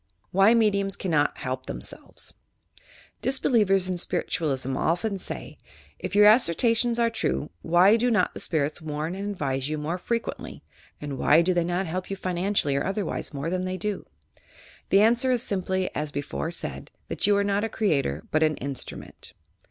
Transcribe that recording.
L YOUR PSYCHIC POWERS WHY MEDIUMS CANNOT HELP THEMSELVES Disbelievers in BpiritualLsm often say: "If your as sertions are true, why do not the spirits warn and advise you more frequently, and why do they not help you finan cially or otherwise, more than they dot" The answer is simply, as before said, that you are not a creator, but an instrument.